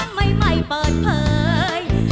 จงไม้ไม้เปิดเผย